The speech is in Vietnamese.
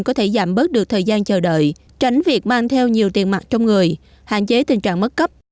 có thể giảm bớt được thời gian chờ đợi tránh việc mang theo nhiều tiền mặt trong người hạn chế tình trạng mất cấp